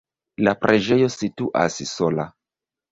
La preĝejo situas sola.